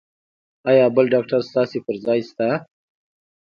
ایا بل ډاکټر ستاسو پر ځای شته؟